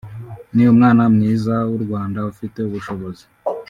ni umwana mwiza w’u Rwanda ufite ubushobozi